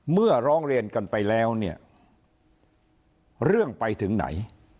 เมื่อร้องเรียนกันไปแล้วเนี่ยเรื่องไปถึงไหน